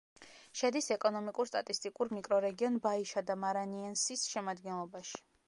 შედის ეკონომიკურ-სტატისტიკურ მიკრორეგიონ ბაიშადა-მარანიენსის შემადგენლობაში.